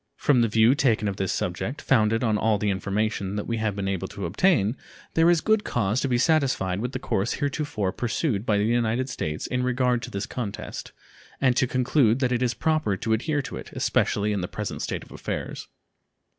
From the view taken of this subject, founded on all the information that we have been able to obtain, there is good cause to be satisfied with the course heretofore pursued by the United States in regard to this contest, and to conclude that it is proper to adhere to it, especially in the present state of affairs.